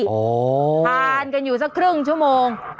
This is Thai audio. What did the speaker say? ทานกันอยู่สักครึ่งชั่วโมง